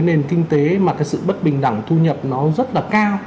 nền kinh tế mà cái sự bất bình đẳng thu nhập nó rất là cao